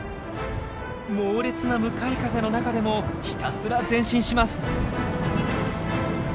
猛烈な向かい風の中でもひたすら前進します！